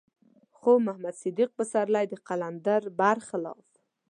خو محمد صديق پسرلی د قلندر بر خلاف.